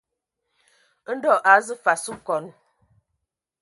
Ndɔ a azu fas okɔn.